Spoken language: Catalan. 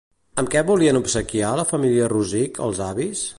Amb què volien obsequiar la família Rosich als avis?